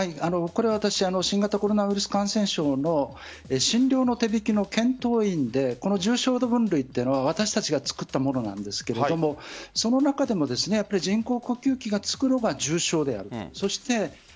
新型コロナウイルス感染症の診療の手引きの検討委員で重症度分類というのは私たちが作ったものなんですがその中でも人工呼吸器がつける方が重症である。